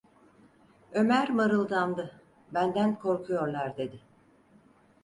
Ömer mırıldandı: "Benden korkuyorlar!" dedi.